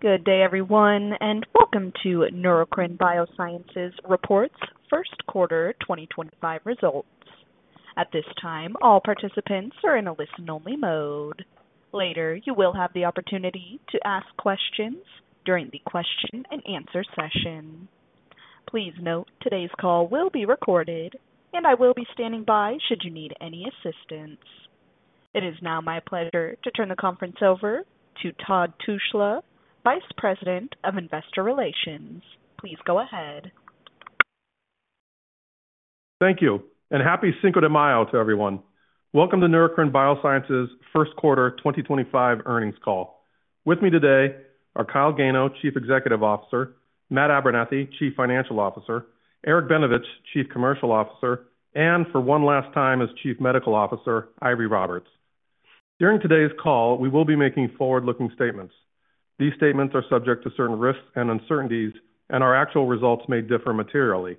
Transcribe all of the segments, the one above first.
Good day, everyone, and welcome to Neurocrine Biosciences' First Quarter 2025 Results. At this time, all participants are in a listen-only mode. Later, you will have the opportunity to ask questions during the question-and-answer session. Please note today's call will be recorded, and I will be standing by should you need any assistance. It is now my pleasure to turn the conference over to Todd Tushla, Vice President of Investor Relations. Please go ahead. Thank you, and happy Cinco de Mayo to everyone. Welcome to Neurocrine Biosciences' First Quarter 2025 Earnings Call. With me today are Kyle Gano, Chief Executive Officer, Matt Abernethy, Chief Financial Officer, Eric Benevich, Chief Commercial Officer, and, for one last time, as Chief Medical Officer, Eiry Roberts. During today's call, we will be making forward-looking statements. These statements are subject to certain risks and uncertainties, and our actual results may differ materially.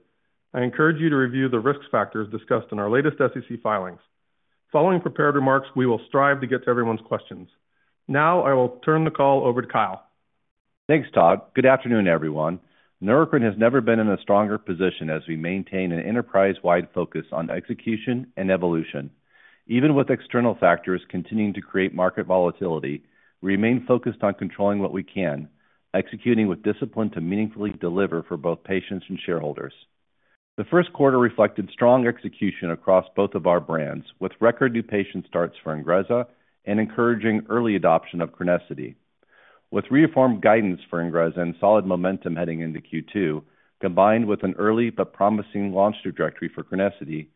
I encourage you to review the risk factors discussed in our latest SEC filings. Following prepared remarks, we will strive to get to everyone's questions. Now, I will turn the call over to Kyle. Thanks, Todd. Good afternoon, everyone. Neurocrine has never been in a stronger position as we maintain an enterprise-wide focus on execution and evolution. Even with external factors continuing to create market volatility, we remain focused on controlling what we can, executing with discipline to meaningfully deliver for both patients and shareholders. The first quarter reflected strong execution across both of our brands, with record new patient starts for INGREZZA and encouraging early adoption of CRENESSITY. With reaffirmed guidance for INGREZZA and solid momentum heading into Q2, combined with an early but promising launch trajectory for CRENESSITY,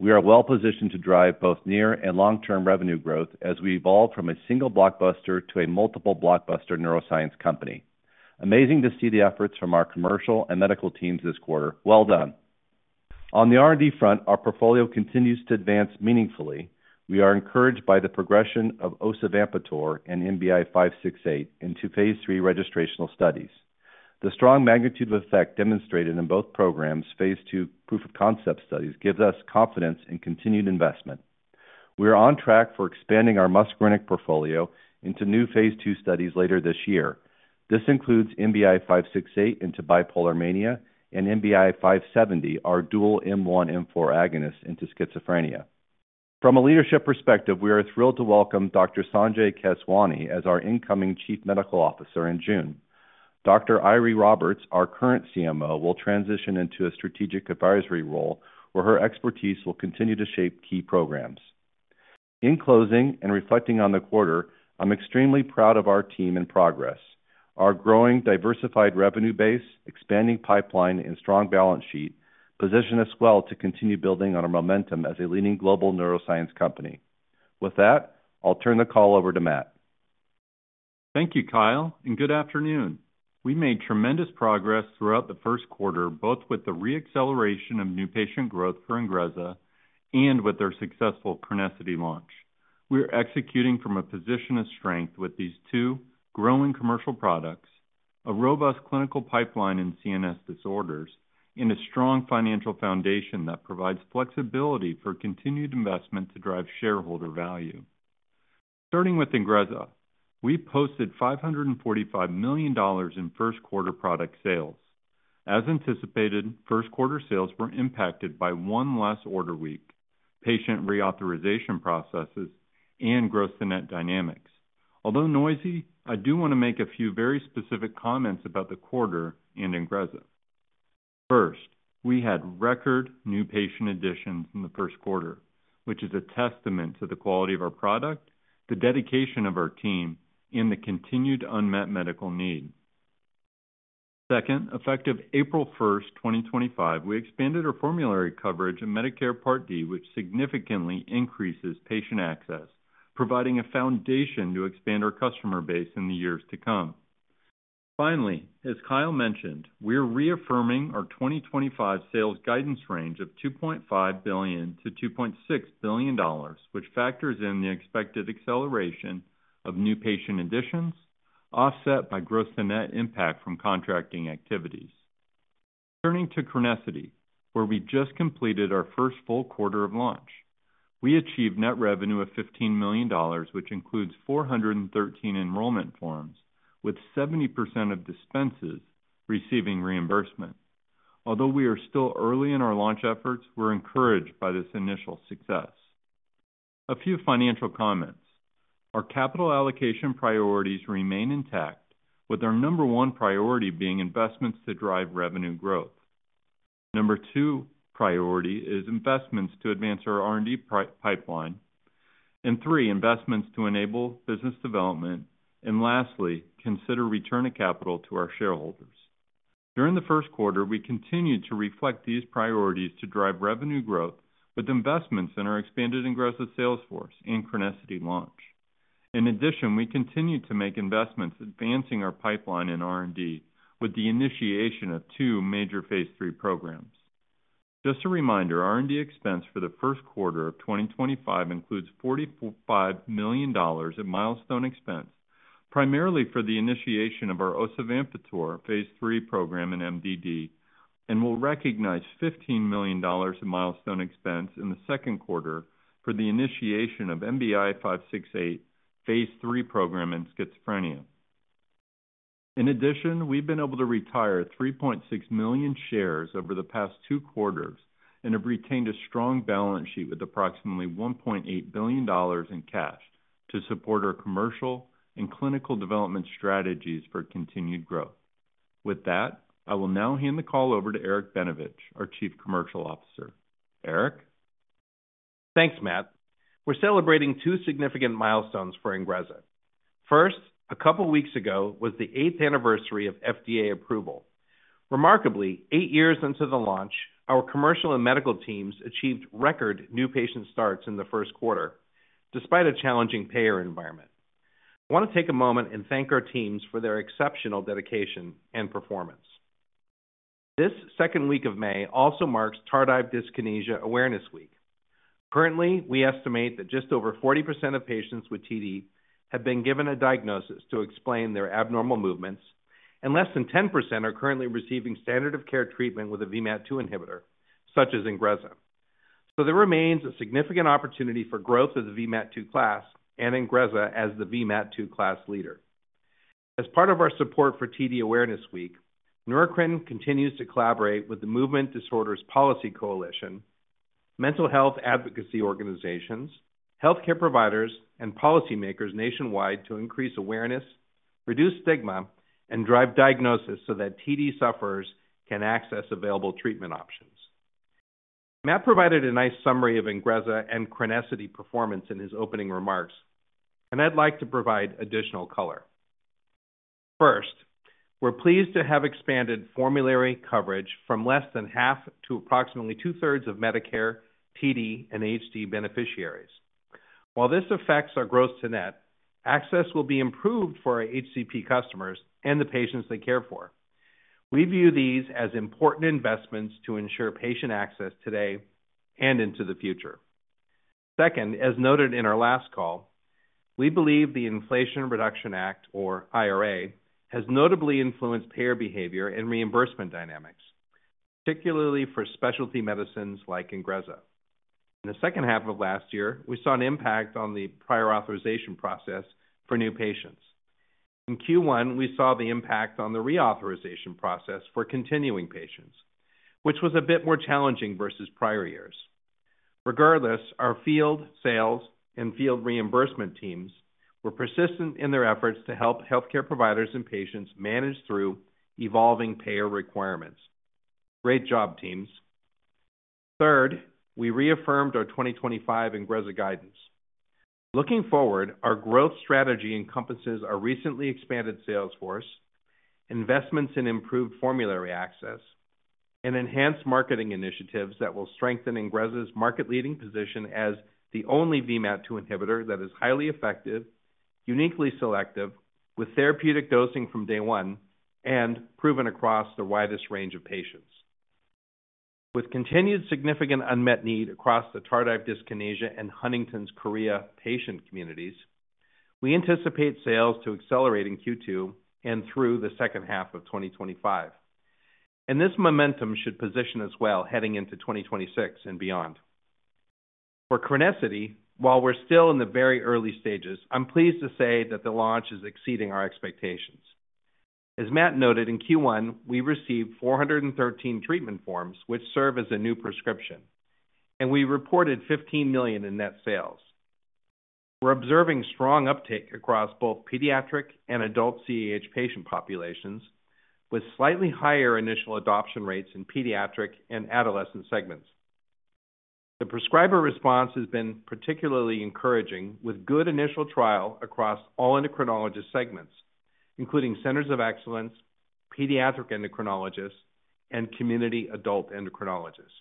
we are well-positioned to drive both near and long-term revenue growth as we evolve from a single blockbuster to a multiple blockbuster neuroscience company. Amazing to see the efforts from our commercial and medical teams this quarter. Well done. On the R&D front, our portfolio continues to advance meaningfully. We are encouraged by the progression of osavampator and NBI-568 into phase III registrational studies. The strong magnitude of effect demonstrated in both programs' phase II proof-of-concept studies gives us confidence in continued investment. We are on track for expanding our muscarinic portfolio into new phase II studies later this year. This includes NBI-568 into bipolar mania and NBI-570, our dual M1/M4 agonists, into schizophrenia. From a leadership perspective, we are thrilled to welcome Dr. Sanjay Keswani as our incoming Chief Medical Officer in June. Dr. Eiry Roberts, our current Chief Medical Officer, will transition into a strategic advisory role where her expertise will continue to shape key programs. In closing and reflecting on the quarter, I'm extremely proud of our team and progress. Our growing, diversified revenue base, expanding pipeline, and strong balance sheet position us well to continue building on our momentum as a leading global neuroscience company. With that, I'll turn the call over to Matt. Thank you, Kyle, and good afternoon. We made tremendous progress throughout the first quarter, both with the re-acceleration of new patient growth for INGREZZA and with the successful CRENESSITY launch. We are executing from a position of strength with these two growing commercial products, a robust clinical pipeline in CNS disorders, and a strong financial foundation that provides flexibility for continued investment to drive shareholder value. Starting with INGREZZA, we posted $545 million in first quarter product sales. As anticipated, first quarter sales were impacted by one less order week, patient reauthorization processes, and gross-to-net dynamics. Although noisy, I do want to make a few very specific comments about the quarter and INGREZZA. First, we had record new patient additions in the first quarter, which is a testament to the quality of our product, the dedication of our team, and the continued unmet medical need. Second, effective April 1st, 2025, we expanded our formulary coverage in Medicare Part D, which significantly increases patient access, providing a foundation to expand our customer base in the years to come. Finally, as Kyle mentioned, we are reaffirming our 2025 sales guidance range of $2.5 billion-$2.6 billion, which factors in the expected acceleration of new patient additions offset by gross-to-net impact from contracting activities. Turning to CRENESSITY, where we just completed our first full quarter of launch, we achieved net revenue of $15 million, which includes 413 enrollment forms, with 70% of dispenses receiving reimbursement. Although we are still early in our launch efforts, we're encouraged by this initial success. A few financial comments. Our capital allocation priorities remain intact, with our number one priority being investments to drive revenue growth. Number two priority is investments to advance our R&D pipeline. Three, investments to enable business development. Lastly, consider return of capital to our shareholders. During the first quarter, we continued to reflect these priorities to drive revenue growth with investments in our expanded INGREZZA sales force and CRENESSITY launch. In addition, we continue to make investments advancing our pipeline in R&D with the initiation of two major phase III programs. Just a reminder, R&D expense for the first quarter of 2025 includes $45 million in milestone expense, primarily for the initiation of our osavampator phase III program in MDD, and we will recognize $15 million in milestone expense in the second quarter for the initiation of NBI-568 phase III program in schizophrenia. In addition, we've been able to retire 3.6 million shares over the past two quarters and have retained a strong balance sheet with approximately $1.8 billion in cash to support our commercial and clinical development strategies for continued growth. With that, I will now hand the call over to Eric Benevich, our Chief Commercial Officer. Eric? Thanks, Matt. We're celebrating two significant milestones for INGREZZA. First, a couple of weeks ago was the eighth anniversary of FDA approval. Remarkably, eight years into the launch, our commercial and medical teams achieved record new patient starts in the first quarter, despite a challenging payer environment. I want to take a moment and thank our teams for their exceptional dedication and performance. This second week of May also marks Tardive Dyskinesia Awareness Week. Currently, we estimate that just over 40% of patients with TD have been given a diagnosis to explain their abnormal movements, and less than 10% are currently receiving standard-of-care treatment with a VMAT2 inhibitor, such as INGREZZA. There remains a significant opportunity for growth of the VMAT2 class and INGREZZA as the VMAT2 class leader. As part of our support for TD Awareness Week, Neurocrine continues to collaborate with the Movement Disorders Policy Coalition, mental health advocacy organizations, healthcare providers, and policymakers nationwide to increase awareness, reduce stigma, and drive diagnosis so that TD sufferers can access available treatment options. Matt provided a nice summary of INGREZZA and CRENESSITY performance in his opening remarks, and I'd like to provide additional color. First, we're pleased to have expanded formulary coverage from less than half to approximately two-thirds of Medicare, TD, and HD beneficiaries. While this affects our gross-to-net, access will be improved for our HCP customers and the patients they care for. We view these as important investments to ensure patient access today and into the future. Second, as noted in our last call, we believe the Inflation Reduction Act, or IRA, has notably influenced payer behavior and reimbursement dynamics, particularly for specialty medicines like INGREZZA. In the second half of last year, we saw an impact on the prior authorization process for new patients. In Q1, we saw the impact on the reauthorization process for continuing patients, which was a bit more challenging versus prior years. Regardless, our field sales and field reimbursement teams were persistent in their efforts to help healthcare providers and patients manage through evolving payer requirements. Great job, teams. Third, we reaffirmed our 2025 INGREZZA guidance. Looking forward, our growth strategy encompasses our recently expanded sales force, investments in improved formulary access, and enhanced marketing initiatives that will strengthen INGREZZA's market-leading position as the only VMAT2 inhibitor that is highly effective, uniquely selective, with therapeutic dosing from day one, and proven across the widest range of patients. With continued significant unmet need across the tardive dyskinesia and Huntington's chorea patient communities, we anticipate sales to accelerate in Q2 and through the second half of 2025. This momentum should position us well heading into 2026 and beyond. For CRENESSITY, while we're still in the very early stages, I'm pleased to say that the launch is exceeding our expectations. As Matt noted, in Q1, we received 413 treatment forms, which serve as a new prescription, and we reported $15 million in net sales. We're observing strong uptake across both pediatric and adult CAH patient populations, with slightly higher initial adoption rates in pediatric and adolescent segments. The prescriber response has been particularly encouraging, with good initial trial across all endocrinologist segments, including centers of excellence, pediatric endocrinologists, and community adult endocrinologists.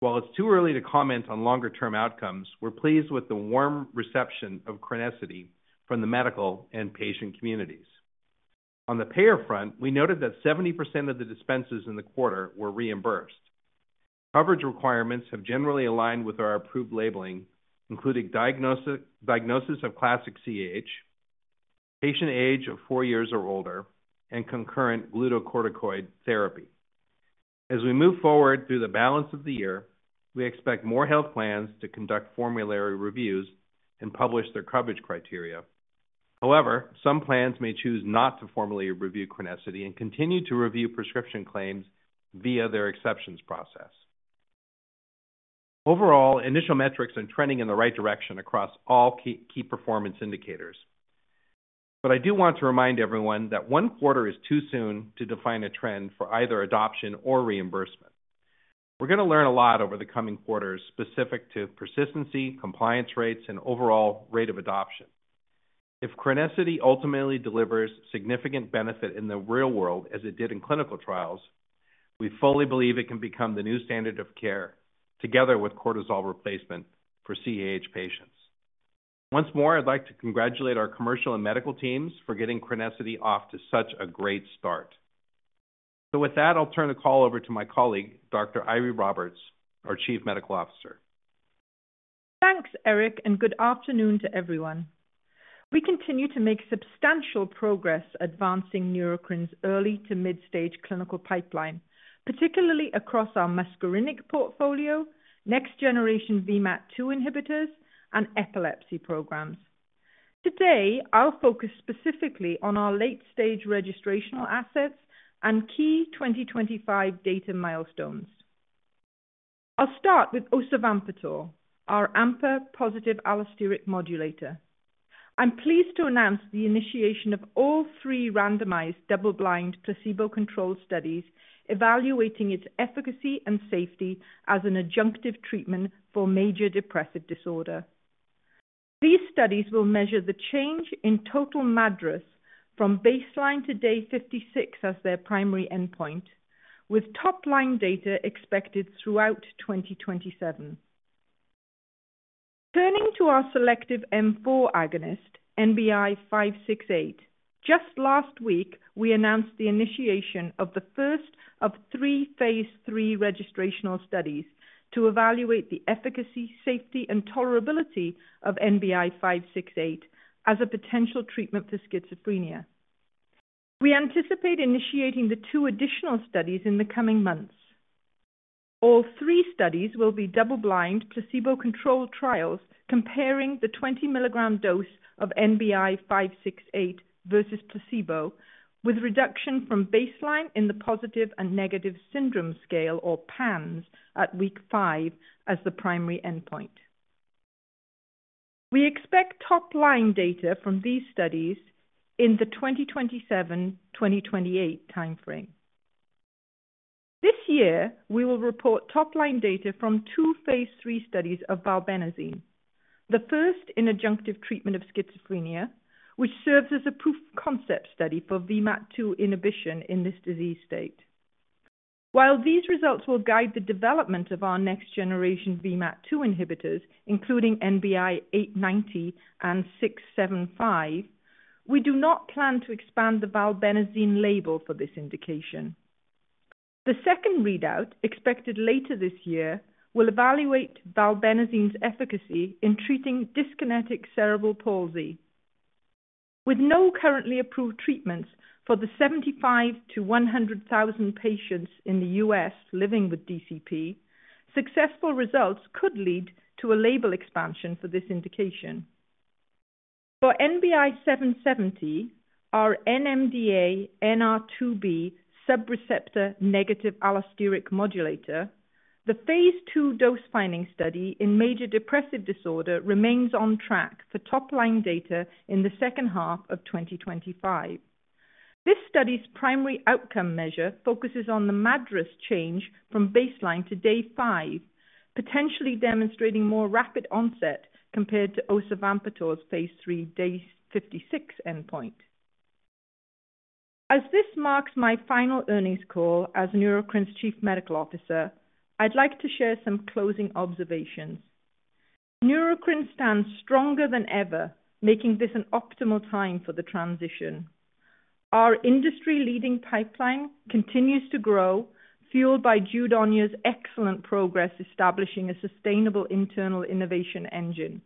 While it's too early to comment on longer-term outcomes, we're pleased with the warm reception of CRENESSITY from the medical and patient communities. On the payer front, we noted that 70% of the dispenses in the quarter were reimbursed. Coverage requirements have generally aligned with our approved labeling, including diagnosis of classic CAH, patient age of four years or older, and concurrent glucocorticoid therapy. As we move forward through the balance of the year, we expect more health plans to conduct formulary reviews and publish their coverage criteria. However, some plans may choose not to formally review CRENESSITY and continue to review prescription claims via their exceptions process. Overall, initial metrics are trending in the right direction across all key performance indicators. I do want to remind everyone that one quarter is too soon to define a trend for either adoption or reimbursement. We're going to learn a lot over the coming quarters specific to persistency, compliance rates, and overall rate of adoption. If CRENESSITY ultimately delivers significant benefit in the real world, as it did in clinical trials, we fully believe it can become the new standard of care, together with cortisol replacement for CAH patients. Once more, I'd like to congratulate our commercial and medical teams for getting CRENESSITY off to such a great start. With that, I'll turn the call over to my colleague, Dr. Eiry Roberts, our Chief Medical Officer. Thanks, Eric, and good afternoon to everyone. We continue to make substantial progress advancing Neurocrine's early to mid-stage clinical pipeline, particularly across our muscarinic portfolio, next-generation VMAT2 inhibitors, and epilepsy programs. Today, I'll focus specifically on our late-stage registrational assets and key 2025 data milestones. I'll start with osavampator, our AMPA positive allosteric modulator. I'm pleased to announce the initiation of all three randomized double-blind placebo-controlled studies evaluating its efficacy and safety as an adjunctive treatment for major depressive disorder. These studies will measure the change in total MADRS from baseline to day 56 as their primary endpoint, with top-line data expected throughout 2027. Turning to our selective M4 agonist, NBI-568, just last week, we announced the initiation of the first of three phase III registrational studies to evaluate the efficacy, safety, and tolerability of NBI-568 as a potential treatment for schizophrenia. We anticipate initiating the two additional studies in the coming months. All three studies will be double-blind placebo-controlled trials comparing the 20 mg dose of NBI-568 versus placebo, with reduction from baseline in the Positive and Negative Syndrome Scale, or PANSS, at week five as the primary endpoint. We expect top-line data from these studies in the 2027-2028 timeframe. This year, we will report top-line data from two phase III studies of valbenazine, the first in adjunctive treatment of schizophrenia, which serves as a proof-of-concept study for VMAT2 inhibition in this disease state. While these results will guide the development of our next-generation VMAT2 inhibitors, including NBI-890 and 675, we do not plan to expand the valbenazine label for this indication. The second readout, expected later this year, will evaluate valbenazine's efficacy in treating dyskinetic cerebral palsy. With no currently approved treatments for the 75,000-100,000 patients in the U.S. living with DCP, successful results could lead to a label expansion for this indication. For NBI-770, our NMDA NR2B subreceptor negative allosteric modulator, the phase II dose-finding study in major depressive disorder remains on track for top-line data in the second half of 2025. This study's primary outcome measure focuses on the MADRS change from baseline to day five, potentially demonstrating more rapid onset compared to osavampator's phase III day 56 endpoint. As this marks my final earnings call as Neurocrine Biosciences' Chief Medical Officer, I'd like to share some closing observations. Neurocrine Biosciences stands stronger than ever, making this an optimal time for the transition. Our industry-leading pipeline continues to grow, fueled by Jude Onyia's excellent progress establishing a sustainable internal innovation engine.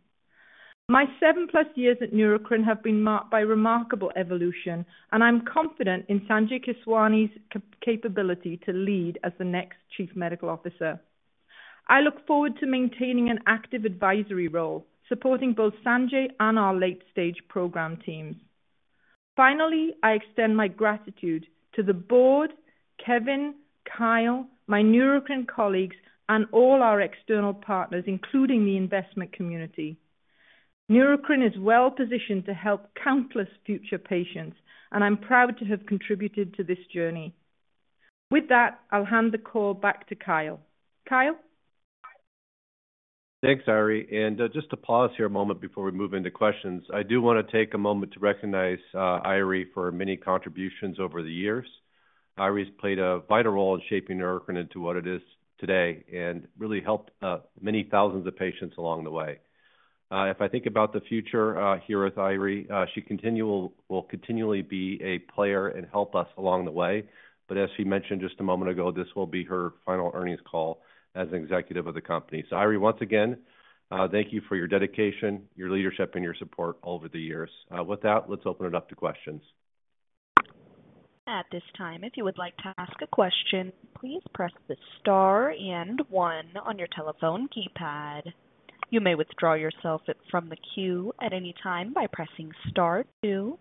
My seven-plus years at Neurocrine have been marked by remarkable evolution, and I'm confident in Sanjay Keswani's capability to lead as the next Chief Medical Officer. I look forward to maintaining an active advisory role, supporting both Sanjay and our late-stage program teams. Finally, I extend my gratitude to the board, Kevin, Kyle, my Neurocrine colleagues, and all our external partners, including the investment community. Neurocrine is well-positioned to help countless future patients, and I'm proud to have contributed to this journey. With that, I'll hand the call back to Kyle. Kyle? Thanks, Eiry. Just to pause here a moment before we move into questions, I do want to take a moment to recognize Eiry for many contributions over the years. Eiry has played a vital role in shaping Neurocrine into what it is today and really helped many thousands of patients along the way. If I think about the future here with Eiry, she will continually be a player and help us along the way. As she mentioned just a moment ago, this will be her final earnings call as an executive of the company. Eiry, once again, thank you for your dedication, your leadership, and your support over the years. With that, let's open it up to questions. At this time, if you would like to ask a question, please press the star and one on your telephone keypad. You may withdraw yourself from the queue at any time by pressing star two.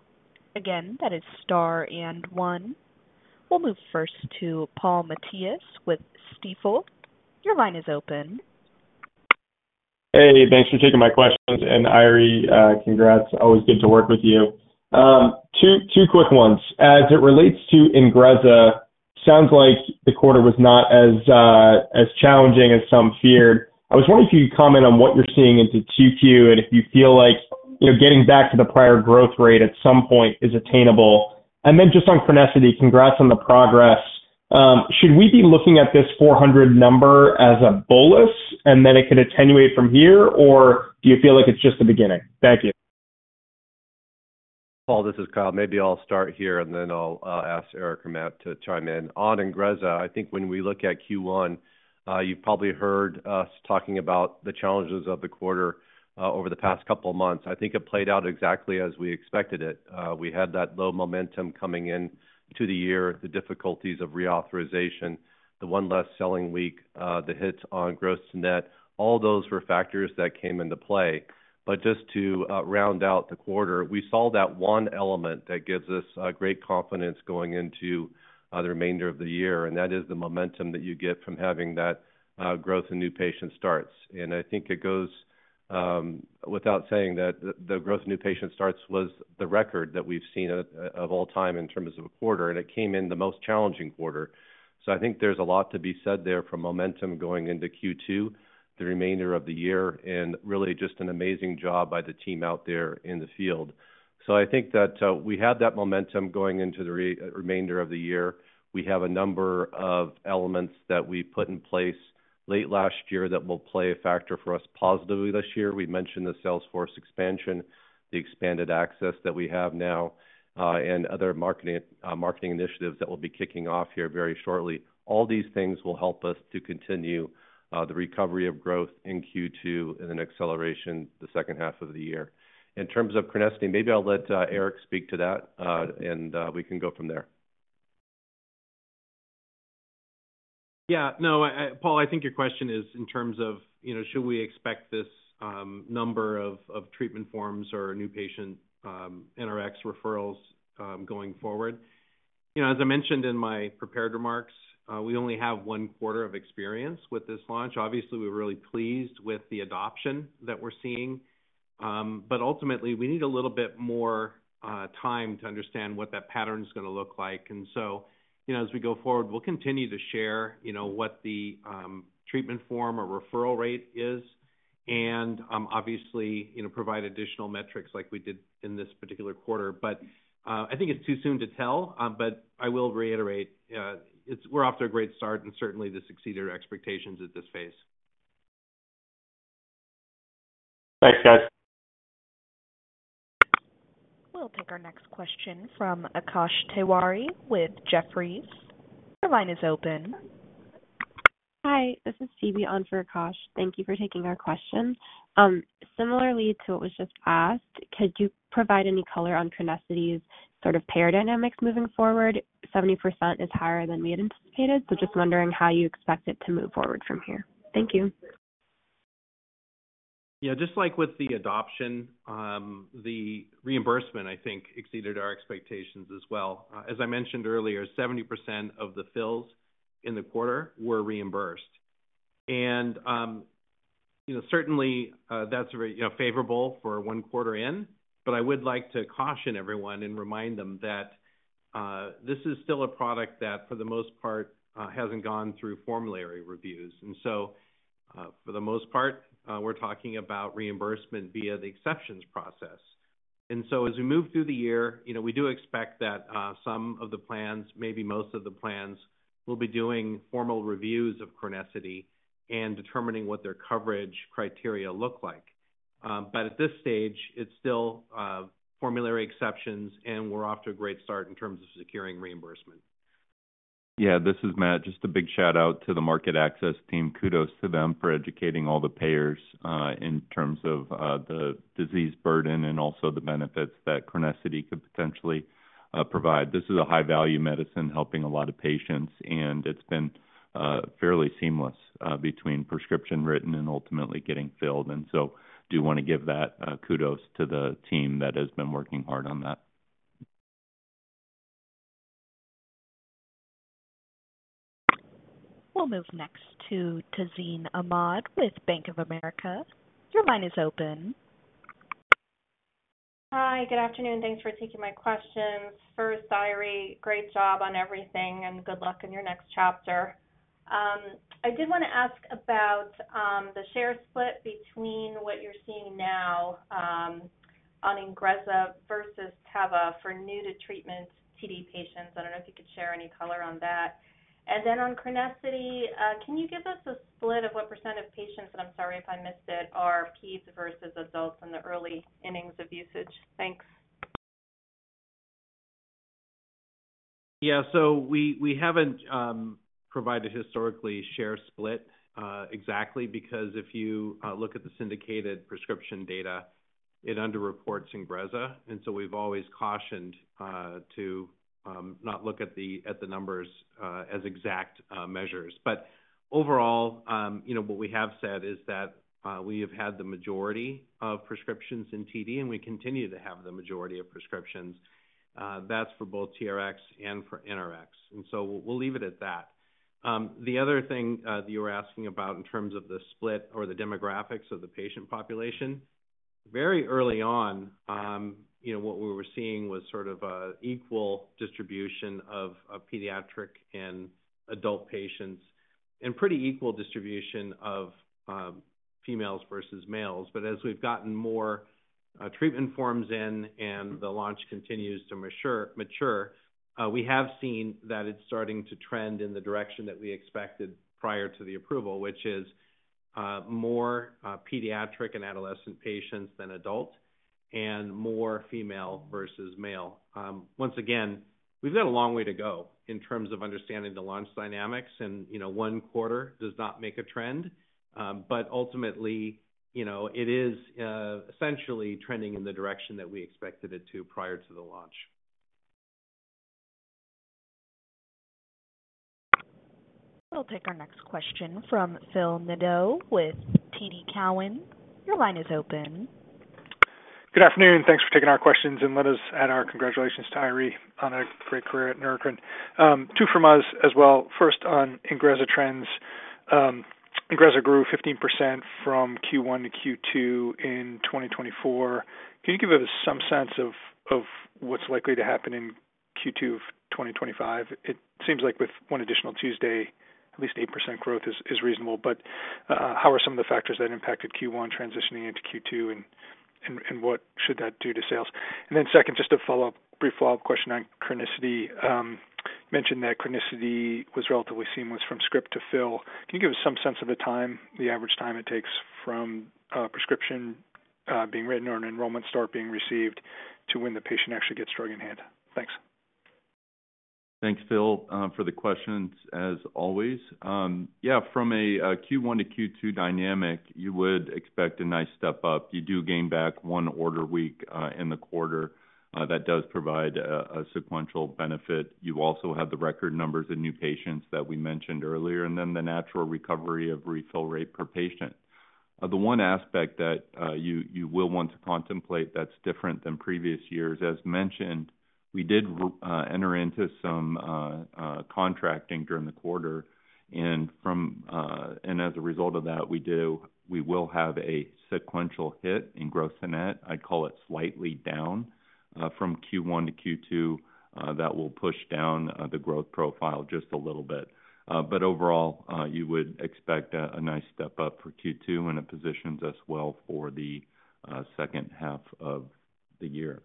Again, that is star and one. We'll move first to Paul Matteis with Stifel. Your line is open. Hey, thanks for taking my questions. Eiry, congrats. Always good to work with you. Two quick ones. As it relates to INGREZZA, it sounds like the quarter was not as challenging as some feared. I was wondering if you could comment on what you're seeing into Q2 and if you feel like getting back to the prior growth rate at some point is attainable. Just on CRENESSITY, congrats on the progress. Should we be looking at this 400 number as a bolus and then it could attenuate from here, or do you feel like it's just the beginning? Thank you. Paul, this is Kyle. Maybe I'll start here, and then I'll ask Eric and Matt to chime in. On INGREZZA, I think when we look at Q1, you've probably heard us talking about the challenges of the quarter over the past couple of months. I think it played out exactly as we expected it. We had that low momentum coming into the year, the difficulties of reauthorization, the one less selling week, the hits on gross-to-net. All those were factors that came into play. Just to round out the quarter, we saw that one element that gives us great confidence going into the remainder of the year, and that is the momentum that you get from having that growth and new patient starts. I think it goes without saying that the growth and new patient starts was the record that we've seen of all time in terms of a quarter, and it came in the most challenging quarter. I think there's a lot to be said there from momentum going into Q2, the remainder of the year, and really just an amazing job by the team out there in the field. I think that we have that momentum going into the remainder of the year. We have a number of elements that we put in place late last year that will play a factor for us positively this year. We mentioned the sales force expansion, the expanded access that we have now, and other marketing initiatives that will be kicking off here very shortly. All these things will help us to continue the recovery of growth in Q2 and then acceleration the second half of the year. In terms of CRENESSITY, maybe I'll let Eric speak to that, and we can go from there. Yeah. No, Paul, I think your question is in terms of should we expect this number of treatment forms or new patient NRx referrals going forward. As I mentioned in my prepared remarks, we only have one quarter of experience with this launch. Obviously, we're really pleased with the adoption that we're seeing. Ultimately, we need a little bit more time to understand what that pattern is going to look like. As we go forward, we'll continue to share what the treatment form or referral rate is and obviously provide additional metrics like we did in this particular quarter. I think it's too soon to tell, but I will reiterate we're off to a great start and certainly to succeed at our expectations at this phase. Thanks, guys. We'll take our next question from Akash Tewari with Jefferies. Your line is open. Hi, this is on for Akash. Thank you for taking our question. Similarly to what was just asked, could you provide any color on CRENESSITY's sort of paradigm moving forward? 70% is higher than we had anticipated, so just wondering how you expect it to move forward from here. Thank you. Yeah. Just like with the adoption, the reimbursement, I think, exceeded our expectations as well. As I mentioned earlier, 70% of the fills in the quarter were reimbursed. Certainly, that's very favorable for one quarter in, but I would like to caution everyone and remind them that this is still a product that, for the most part, hasn't gone through formulary reviews. For the most part, we're talking about reimbursement via the exceptions process. As we move through the year, we do expect that some of the plans, maybe most of the plans, will be doing formal reviews of CRENESSITY and determining what their coverage criteria look like. At this stage, it's still formulary exceptions, and we're off to a great start in terms of securing reimbursement. Yeah, this is Matt. Just a big shout-out to the market access team. Kudos to them for educating all the payers in terms of the disease burden and also the benefits that CRENESSITY could potentially provide. This is a high-value medicine helping a lot of patients, and it has been fairly seamless between prescription written and ultimately getting filled. I do want to give that kudos to the team that has been working hard on that. We'll move next to Tazeen Ahmad with Bank of America. Your line is open. Hi, good afternoon. Thanks for taking my questions. First, Eiry, great job on everything, and good luck in your next chapter. I did want to ask about the share split between what you're seeing now on INGREZZA versus Teva for new-to-treatment TD patients. I don't know if you could share any color on that. On CRENESSITY, can you give us a split of what % of patients—and I'm sorry if I missed it—are peds versus adults in the early innings of usage? Thanks. Yeah. We have not provided historically share split exactly because if you look at the syndicated prescription data, it underreports INGREZZA. We have always cautioned to not look at the numbers as exact measures. Overall, what we have said is that we have had the majority of prescriptions in TD, and we continue to have the majority of prescriptions. That is for both TRx and for NRx. We will leave it at that. The other thing that you were asking about in terms of the split or the demographics of the patient population, very early on, what we were seeing was sort of an equal distribution of pediatric and adult patients and pretty equal distribution of females versus males. As we've gotten more treatment forms in and the launch continues to mature, we have seen that it's starting to trend in the direction that we expected prior to the approval, which is more pediatric and adolescent patients than adults and more female versus male. Once again, we've got a long way to go in terms of understanding the launch dynamics, and one quarter does not make a trend. Ultimately, it is essentially trending in the direction that we expected it to prior to the launch. We'll take our next question from Phil Nadeau with TD Cowen. Your line is open. Good afternoon. Thanks for taking our questions, and let us add our congratulations to Eiry on a great career at Neurocrine. Two from us as well. First, on INGREZZA trends. INGREZZA grew 15% from Q1 to Q2 in 2024. Can you give us some sense of what's likely to happen in Q2 of 2025? It seems like with one additional Tuesday, at least 8% growth is reasonable. How are some of the factors that impacted Q1 transitioning into Q2, and what should that do to sales? Second, just a brief follow-up question on CRENESSITY. You mentioned that CRENESSITY was relatively seamless from script to fill. Can you give us some sense of the time, the average time it takes from prescription being written or an enrollment start being received to when the patient actually gets drug in hand? Thanks. Thanks, Phil, for the questions as always. Yeah, from a Q1 to Q2 dynamic, you would expect a nice step up. You do gain back one order week in the quarter. That does provide a sequential benefit. You also have the record numbers and new patients that we mentioned earlier, and then the natural recovery of refill rate per patient. The one aspect that you will want to contemplate that's different than previous years, as mentioned, we did enter into some contracting during the quarter. As a result of that, we will have a sequential hit in gross-to-net. I'd call it slightly down from Q1 to Q2. That will push down the growth profile just a little bit. Overall, you would expect a nice step up for Q2 and a position as well for the second half of the year.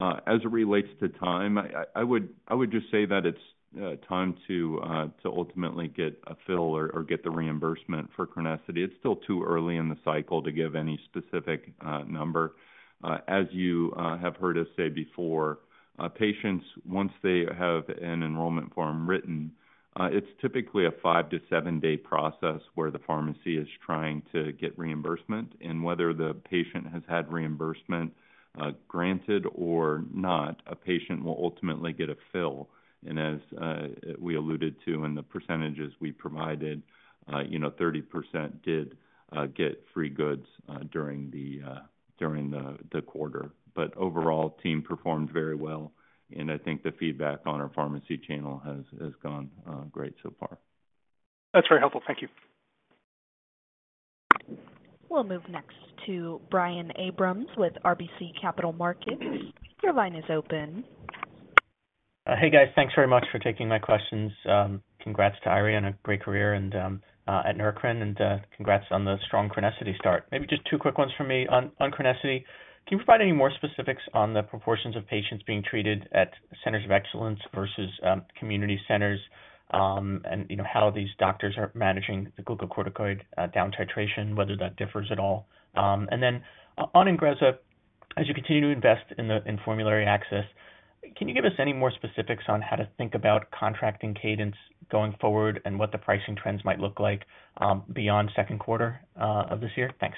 As it relates to time, I would just say that it's time to ultimately get a fill or get the reimbursement for CRENESSITY. It's still too early in the cycle to give any specific number. As you have heard us say before, patients, once they have an enrollment form written, it's typically a five- to seven-day process where the pharmacy is trying to get reimbursement. Whether the patient has had reimbursement granted or not, a patient will ultimately get a fill. As we alluded to in the percentages we provided, 30% did get free goods during the quarter. Overall, team performed very well. I think the feedback on our pharmacy channel has gone great so far. That's very helpful. Thank you. We'll move next to Brian Abrahams with RBC Capital Markets. Your line is open. Hey, guys. Thanks very much for taking my questions. Congrats to Eiry on a great career at Neurocrine and congrats on the strong CRENESSITY start. Maybe just two quick ones from me on CRENESSITY. Can you provide any more specifics on the proportions of patients being treated at centers of excellence versus community centers and how these doctors are managing the glucocorticoid down titration, whether that differs at all? On INGREZZA, as you continue to invest in formulary access, can you give us any more specifics on how to think about contracting Cadence going forward and what the pricing trends might look like beyond second quarter of this year? Thanks.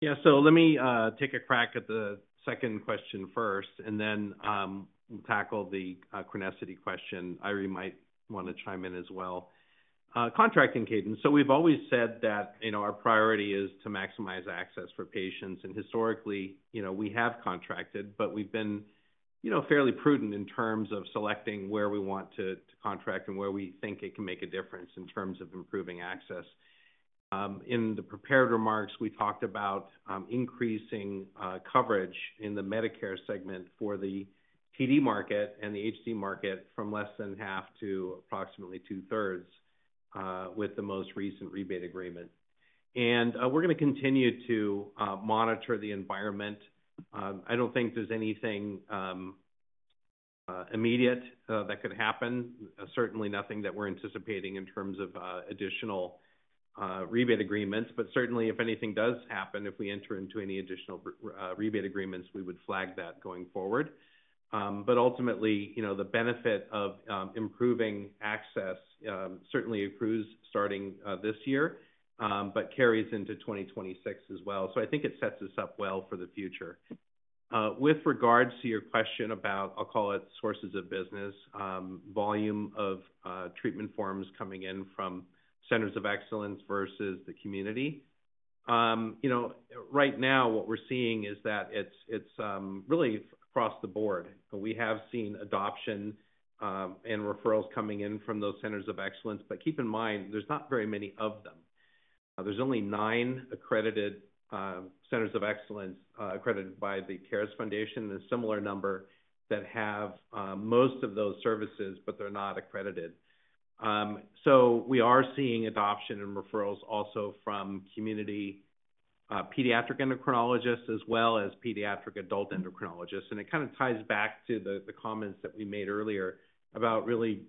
Yeah. Let me take a crack at the second question first, and then we'll tackle the CRENESSITY question. Eiry might want to chime in as well. Contracting Cadence. We've always said that our priority is to maximize access for patients. Historically, we have contracted, but we've been fairly prudent in terms of selecting where we want to contract and where we think it can make a difference in terms of improving access. In the prepared remarks, we talked about increasing coverage in the Medicare segment for the TD market and the HD market from less than half to approximately two-thirds with the most recent rebate agreement. We're going to continue to monitor the environment. I don't think there's anything immediate that could happen, certainly nothing that we're anticipating in terms of additional rebate agreements. If anything does happen, if we enter into any additional rebate agreements, we would flag that going forward. Ultimately, the benefit of improving access certainly accrues starting this year but carries into 2026 as well. I think it sets us up well for the future. With regards to your question about, I'll call it sources of business, volume of treatment forms coming in from centers of excellence versus the community, right now, what we're seeing is that it's really across the board. We have seen adoption and referrals coming in from those centers of excellence. Keep in mind, there's not very many of them. There's only nine accredited centers of excellence accredited by the CARES Foundation and a similar number that have most of those services, but they're not accredited. We are seeing adoption and referrals also from community pediatric endocrinologists as well as pediatric adult endocrinologists. It kind of ties back to the comments that we made earlier about really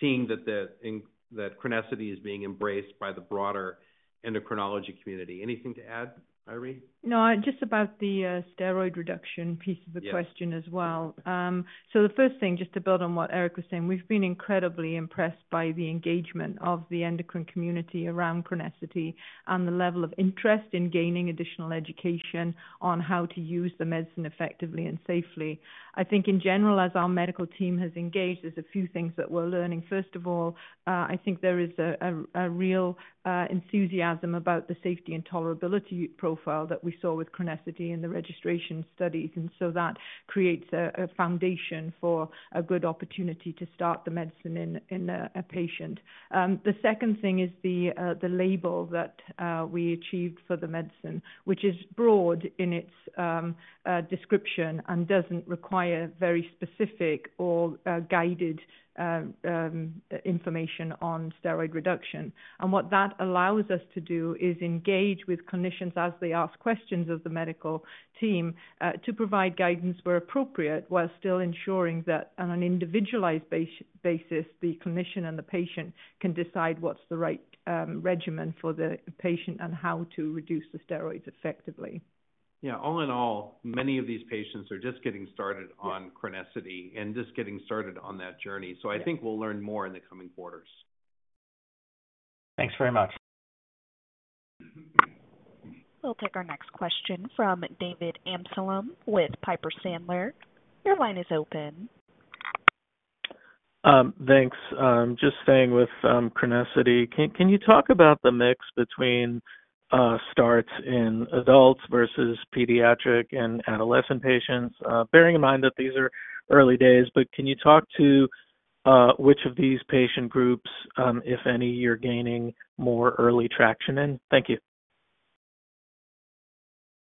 seeing that CRENESSITY is being embraced by the broader endocrinology community. Anything to add, Eiry? No, just about the steroid reduction piece of the question as well. The first thing, just to build on what Eric was saying, we've been incredibly impressed by the engagement of the endocrine community around CRENESSITY and the level of interest in gaining additional education on how to use the medicine effectively and safely. I think in general, as our medical team has engaged, there's a few things that we're learning. First of all, I think there is a real enthusiasm about the safety and tolerability profile that we saw with CRENESSITY in the registration studies. That creates a foundation for a good opportunity to start the medicine in a patient. The second thing is the label that we achieved for the medicine, which is broad in its description and does not require very specific or guided information on steroid reduction. What that allows us to do is engage with clinicians as they ask questions of the medical team to provide guidance where appropriate while still ensuring that on an individualized basis, the clinician and the patient can decide what's the right regimen for the patient and how to reduce the steroids effectively. Yeah. All in all, many of these patients are just getting started on CRENESSITY and just getting started on that journey. I think we'll learn more in the coming quarters. Thanks very much. We'll take our next question from David Amsellem with Piper Sandler. Your line is open. Thanks. Just staying with CRENESSITY, can you talk about the mix between starts in adults versus pediatric and adolescent patients, bearing in mind that these are early days? Can you talk to which of these patient groups, if any, you're gaining more early traction in? Thank you.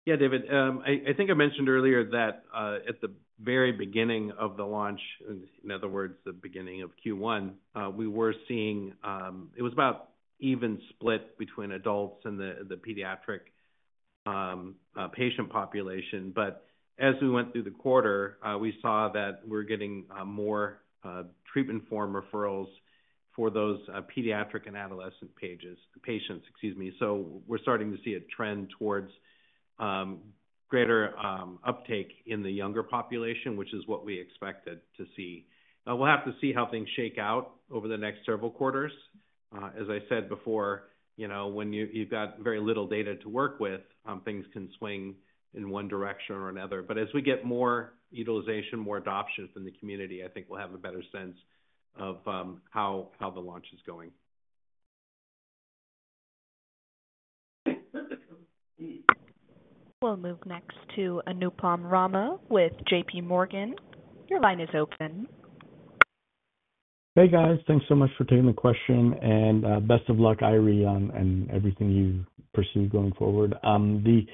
Yeah, David. I think I mentioned earlier that at the very beginning of the launch, in other words, the beginning of Q1, we were seeing it was about even split between adults and the pediatric patient population. As we went through the quarter, we saw that we're getting more treatment form referrals for those pediatric and adolescent patients. We are starting to see a trend towards greater uptake in the younger population, which is what we expected to see. We'll have to see how things shake out over the next several quarters. As I said before, when you've got very little data to work with, things can swing in one direction or another. As we get more utilization, more adoption from the community, I think we'll have a better sense of how the launch is going. We'll move next to Anupam Rama with JP Morgan. Your line is open. Hey, guys. Thanks so much for taking the question. Best of luck, Eiry, on everything you pursue going forward. On the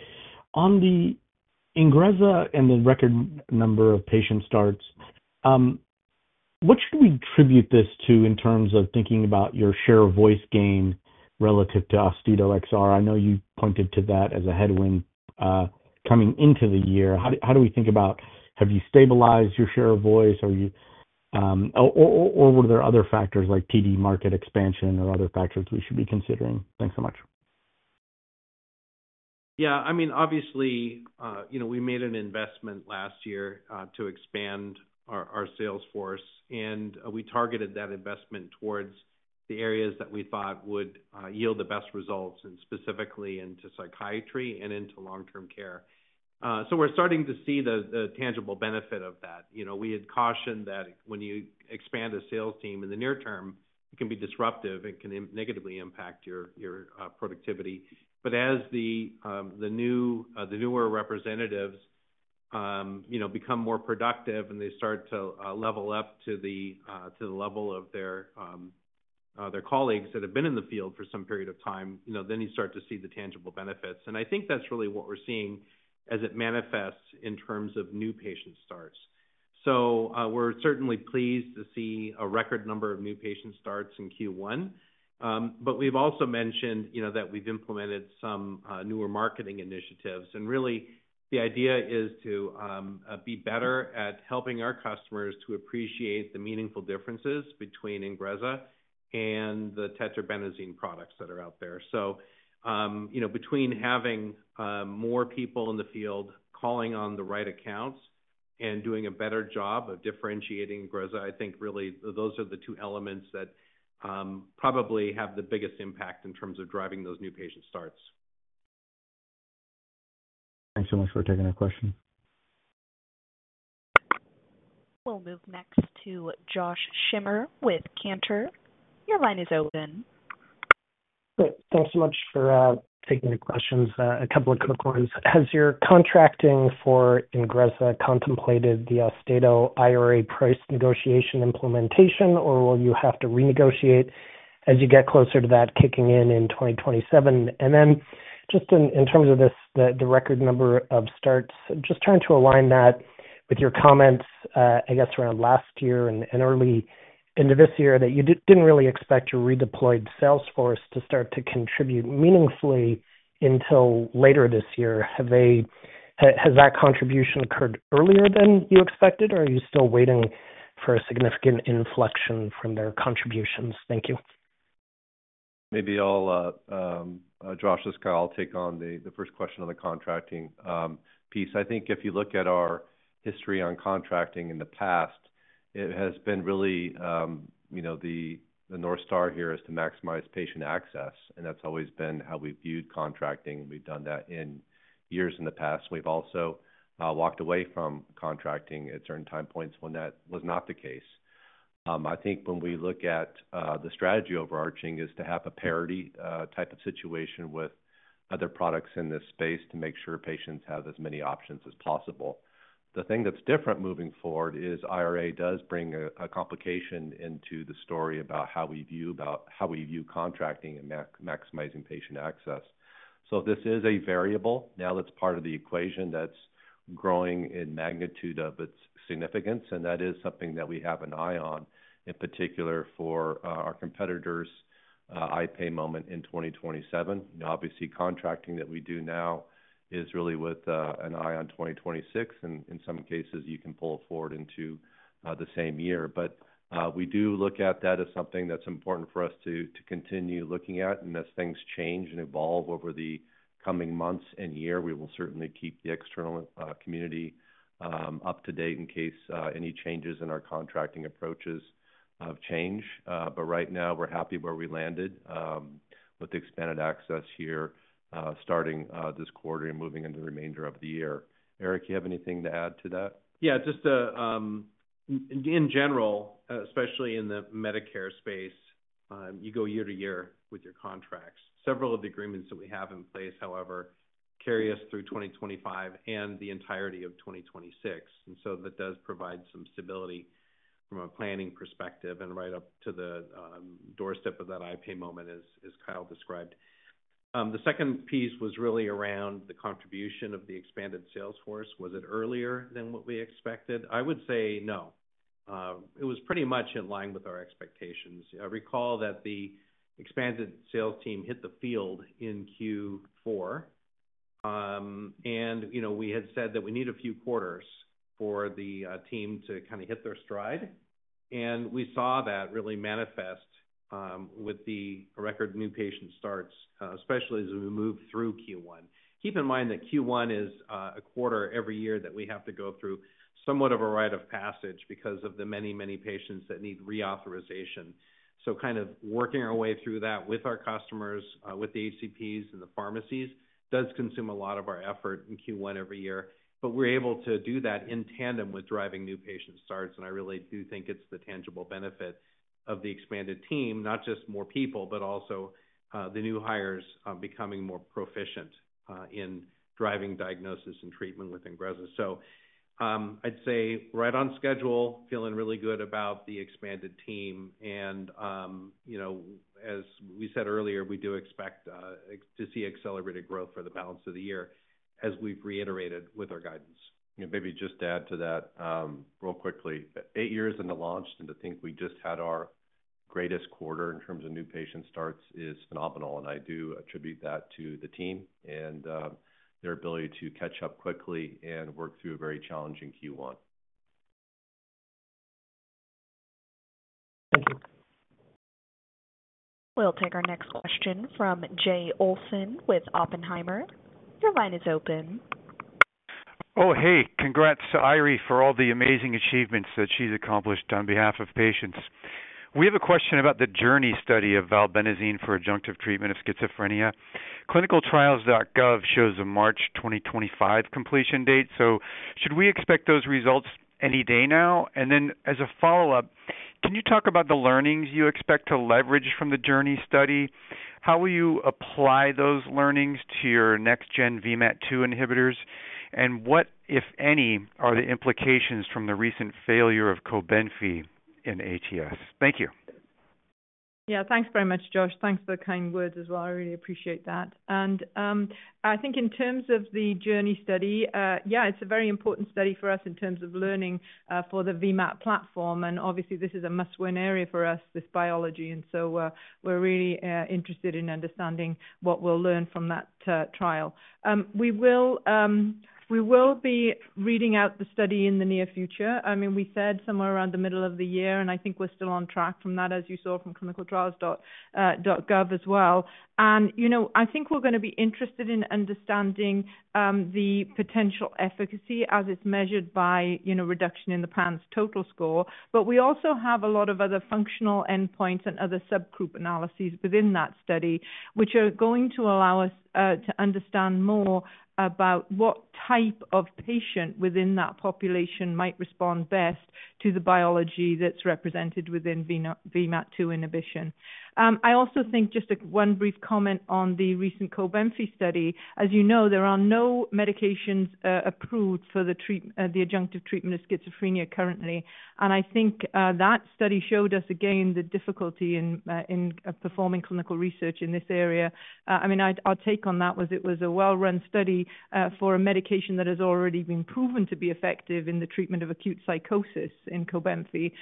INGREZZA and the record number of patient starts, what should we attribute this to in terms of thinking about your share of voice gain relative to AUSTEDO XR? I know you pointed to that as a headwind coming into the year. How do we think about, have you stabilized your share of voice, or were there other factors like TD market expansion or other factors we should be considering? Thanks so much. Yeah. I mean, obviously, we made an investment last year to expand our sales force, and we targeted that investment towards the areas that we thought would yield the best results, specifically into psychiatry and into long-term care. We are starting to see the tangible benefit of that. We had cautioned that when you expand a sales team in the near term, it can be disruptive and can negatively impact your productivity. As the newer representatives become more productive and they start to level up to the level of their colleagues that have been in the field for some period of time, you start to see the tangible benefits. I think that is really what we are seeing as it manifests in terms of new patient starts. We are certainly pleased to see a record number of new patient starts in Q1. We've also mentioned that we've implemented some newer marketing initiatives. Really, the idea is to be better at helping our customers to appreciate the meaningful differences between INGREZZA and the tetrabenazine products that are out there. Between having more people in the field calling on the right accounts and doing a better job of differentiating INGREZZA, I think really those are the two elements that probably have the biggest impact in terms of driving those new patient starts. Thanks so much for taking our questions. We'll move next to Josh Schimmer with Cantor. Your line is open. Great. Thanks so much for taking the questions. A couple of quick ones. Has your contracting for INGREZZA contemplated the IRA price negotiation implementation, or will you have to renegotiate as you get closer to that kicking in in 2027? Just in terms of the record number of starts, just trying to align that with your comments, I guess, around last year and early into this year that you did not really expect your redeployed sales force to start to contribute meaningfully until later this year. Has that contribution occurred earlier than you expected, or are you still waiting for a significant inflection from their contributions? Thank you. Maybe I'll, Josh's guy, I'll take on the first question on the contracting piece. I think if you look at our history on contracting in the past, it has been really the North Star here is to maximize patient access. And that's always been how we've viewed contracting. We've done that in years in the past. We've also walked away from contracting at certain time points when that was not the case. I think when we look at the strategy overarching is to have a parity type of situation with other products in this space to make sure patients have as many options as possible. The thing that's different moving forward is IRA does bring a complication into the story about how we view contracting and maximizing patient access. This is a variable now that's part of the equation that's growing in magnitude of its significance. That is something that we have an eye on, in particular for our competitors, IPAY moment in 2027. Obviously, contracting that we do now is really with an eye on 2026. In some cases, you can pull it forward into the same year. We do look at that as something that's important for us to continue looking at. As things change and evolve over the coming months and year, we will certainly keep the external community up to date in case any changes in our contracting approaches change. Right now, we're happy where we landed with the expanded access here starting this quarter and moving into the remainder of the year. Eric, you have anything to add to that? Yeah. Just in general, especially in the Medicare space, you go year to year with your contracts. Several of the agreements that we have in place, however, carry us through 2025 and the entirety of 2026. That does provide some stability from a planning perspective and right up to the doorstep of that iPay moment, as Kyle described. The second piece was really around the contribution of the expanded sales force. Was it earlier than what we expected? I would say no. It was pretty much in line with our expectations. I recall that the expanded sales team hit the field in Q4. We had said that we need a few quarters for the team to kind of hit their stride. We saw that really manifest with the record new patient starts, especially as we move through Q1. Keep in mind that Q1 is a quarter every year that we have to go through somewhat of a rite of passage because of the many, many patients that need reauthorization. Kind of working our way through that with our customers, with the HCPs and the pharmacies does consume a lot of our effort in Q1 every year. We are able to do that in tandem with driving new patient starts. I really do think it is the tangible benefit of the expanded team, not just more people, but also the new hires becoming more proficient in driving diagnosis and treatment with INGREZZA. I would say right on schedule, feeling really good about the expanded team. As we said earlier, we do expect to see accelerated growth for the balance of the year, as we have reiterated with our guidance. Maybe just to add to that real quickly, eight years into launch, and to think we just had our greatest quarter in terms of new patient starts is phenomenal. I do attribute that to the team and their ability to catch up quickly and work through a very challenging Q1. Thank you. We'll take our next question from Jay Olson with Oppenheimer. Your line is open. Oh, hey. Congrats to Eiry for all the amazing achievements that she's accomplished on behalf of patients. We have a question about the Journey study of valbenazine for adjunctive treatment of schizophrenia. Clinicaltrials.gov shows a March 2025 completion date. Should we expect those results any day now? As a follow-up, can you talk about the learnings you expect to leverage from the Journey study? How will you apply those learnings to your next-gen VMAT2 inhibitors? What, if any, are the implications from the recent failure of COBENFY in ATS? Thank you. Yeah. Thanks very much, Josh. Thanks for the kind words as well. I really appreciate that. I think in terms of the Journey study, yeah, it's a very important study for us in terms of learning for the VMAT platform. Obviously, this is a must-win area for us, this biology. We're really interested in understanding what we'll learn from that trial. We will be reading out the study in the near future. I mean, we said somewhere around the middle of the year, and I think we're still on track from that, as you saw from clinicaltrials.gov as well. I think we're going to be interested in understanding the potential efficacy as it's measured by reduction in the PANSS total score. We also have a lot of other functional endpoints and other subgroup analyses within that study, which are going to allow us to understand more about what type of patient within that population might respond best to the biology that's represented within VMAT2 inhibition. I also think just one brief comment on the recent COBENFY study. As you know, there are no medications approved for the adjunctive treatment of schizophrenia currently. I think that study showed us, again, the difficulty in performing clinical research in this area. I mean, our take on that was it was a well-run study for a medication that has already been proven to be effective in the treatment of acute psychosis in COBENFY.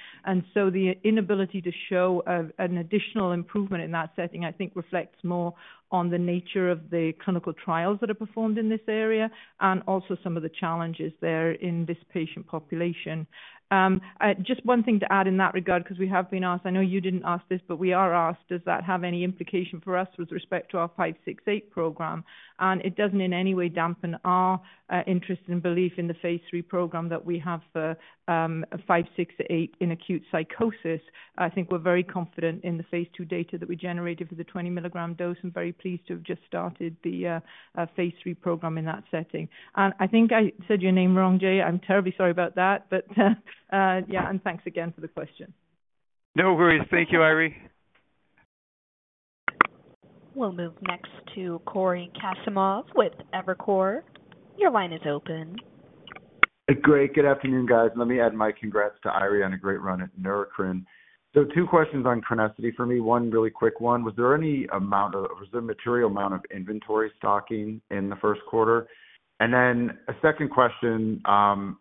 The inability to show an additional improvement in that setting, I think, reflects more on the nature of the clinical trials that are performed in this area and also some of the challenges there in this patient population. Just one thing to add in that regard, because we have been asked—I know you did not ask this, but we are asked—does that have any implication for us with respect to our 568 program? It does not in any way dampen our interest and belief in the phase three program that we have for 568 in acute psychosis. I think we are very confident in the phase two data that we generated for the 20 milligram dose and very pleased to have just started the phase three program in that setting. I think I said your name wrong, Jay. I am terribly sorry about that. Yeah, thanks again for the question. No worries. Thank you, Eiry. We'll move next to Cory Kasimov with Evercore. Your line is open. Great. Good afternoon, guys. Let me add my congrats to Eiry on a great run at Neurocrine. Two questions on CRENESSITY for me. One really quick one. Was there any amount of—was there a material amount of inventory stocking in the first quarter? A second question.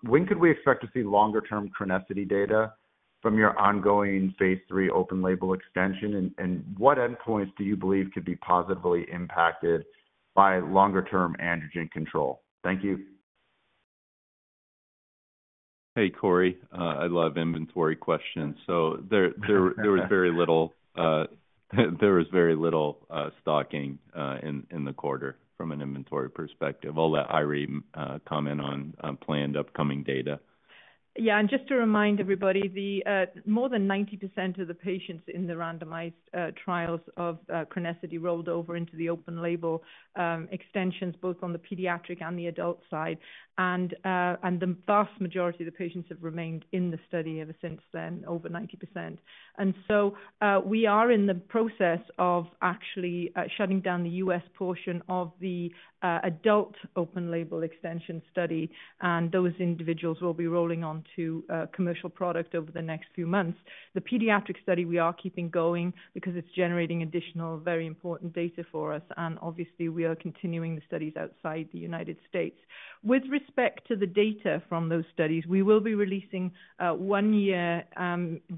When could we expect to see longer-term CRENESSITY data from your ongoing phase three open label extension? What endpoints do you believe could be positively impacted by longer-term androgen control? Thank you. Hey, Cory. I'd love inventory questions. There was very little stocking in the quarter from an inventory perspective. I'll let Eiry comment on planned upcoming data. Yeah. Just to remind everybody, more than 90% of the patients in the randomized trials of CRENESSITY rolled over into the open label extensions, both on the pediatric and the adult side. The vast majority of the patients have remained in the study ever since then, over 90%. We are in the process of actually shutting down the U.S. portion of the adult open label extension study. Those individuals will be rolling onto commercial product over the next few months. The pediatric study, we are keeping going because it's generating additional very important data for us. Obviously, we are continuing the studies outside the United States. With respect to the data from those studies, we will be releasing one-year